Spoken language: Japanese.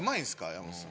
山本さん。